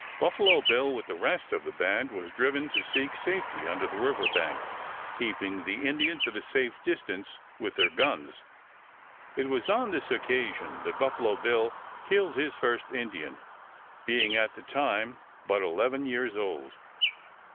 Buffalo Bill, with the rest of the band, was driven to seek safety under the river bank, keeping the Indians at a safe distance with their guns. It was on this occasion that Buffalo Bill killed his first Indian, being at that time but eleven years old.